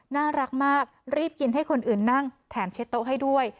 น่ารักมากรีบกินให้คนอื่นนั่งแถมเช็ดโต๊ะให้ด้วย